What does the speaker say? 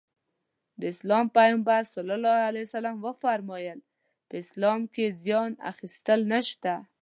د اسلام پيغمبر ص وفرمايل په اسلام کې زيان اخيستل نشته.